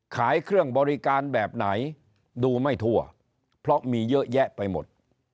ขายเครื่องบริการแบบไหนดูไม่ทั่วเพราะมีเยอะแยะไปหมด